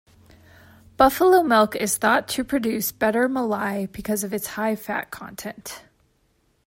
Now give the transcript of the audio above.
Buffalo milk is thought to produce better malai because of its high fat content.